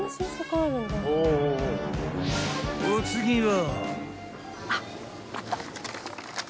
［お次は］